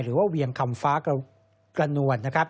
หรือว่าเวียงคำฟ้ากระนวณ